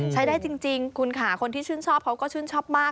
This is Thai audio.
ใช้ได้จริงคุณค่ะคนที่ชื่นชอบเขาก็ชื่นชอบมาก